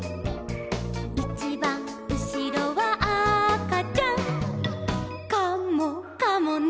「いちばんうしろはあかちゃん」「カモかもね」